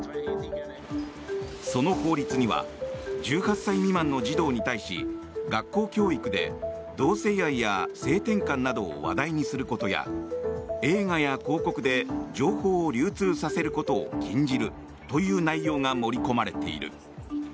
その法律には１８歳未満の児童に対し学校教育で、同性愛や性転換などを話題にすることや映画や広告で情報を流通させることを禁じるという内容が盛り込まれている。